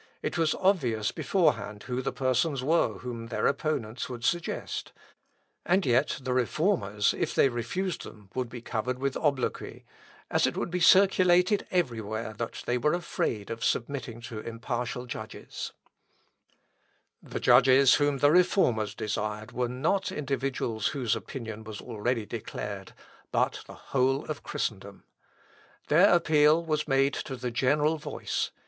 It was obvious beforehand who the persons were whom their opponents would suggest; and yet the Reformers, if they refused them, would be covered with obloquy, as it would be circulated every where that they were afraid of submitting to impartial judges. [Sidenote: LUTHER OBJECTS.] The judges whom the Reformers desired were not individuals whose opinion was already declared, but the whole of Christendom. Their appeal was made to the general voice.